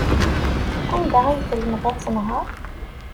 Anda ay telmed ad tenheṛ?